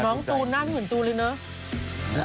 น้องตูนหน้าเหมือนตูนเลยเนอะ